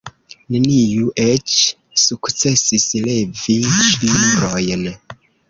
Neniu eĉ sukcesis levi ŝnurojn.